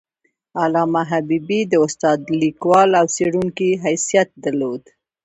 علامه حبیبي د استاد، لیکوال او څیړونکي حیثیت درلود.